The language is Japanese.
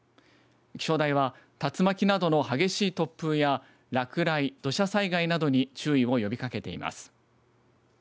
気象台は竜巻などの激しい突風や落雷、土砂災害などに注意を呼びかけています。